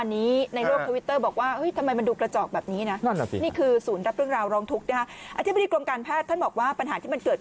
นี่แหละค่ะมันกลายเป็นว่า